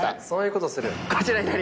そういうことする？